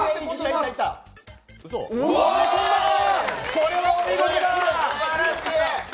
これはお見事だ。